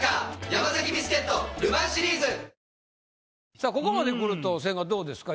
さぁここまでくると千賀どうですか？